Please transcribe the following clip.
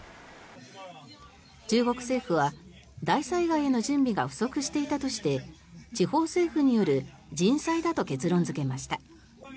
中国政府は大災害への準備が不足していたとして地方政府による人災だと結論付けました。